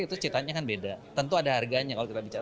itu ceritanya kan beda tentu ada harganya kalau kita bicara